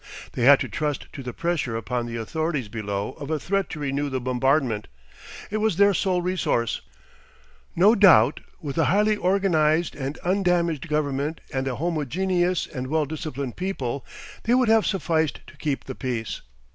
They had to trust to the pressure upon the authorities below of a threat to renew the bombardment. It was their sole resource. No doubt, with a highly organised and undamaged Government and a homogeneous and well disciplined people that would have sufficed to keep the peace.